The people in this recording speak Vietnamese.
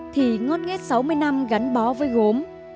thì ngót nghét sáu mươi năm gắn bó với gốm